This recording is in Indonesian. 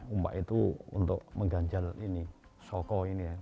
umpak itu untuk mengganjal ini soko ini ya